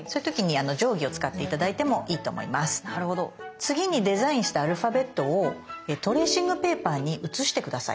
次にデザインしたアルファベットをトレーシングペーパーに写して下さい。